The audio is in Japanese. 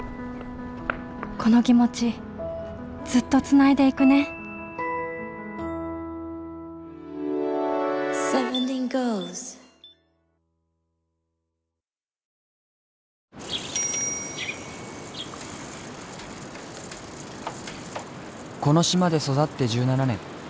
この気持ちずっとつないでいくねこの島で育って１７年。